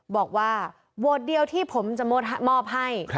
บอกว่าโหวตเดียวที่ผมจะมอบให้